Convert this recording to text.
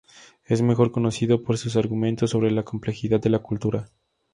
Es mejor conocido por sus argumentos sobre la complejidad de la cultura.